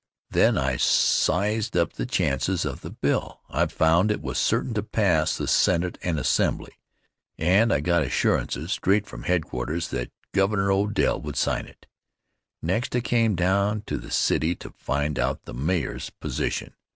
Then I sized up the chances of the bill. I found it was certain to pass the Senate and the Assembly, and I got assurances straight from headquarters that Governor Odell would sign it. Next I came down to the city to find out the mayor's position.